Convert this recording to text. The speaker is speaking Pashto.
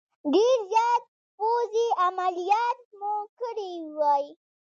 ډېر زیات پوځي عملیات مو کړي وای.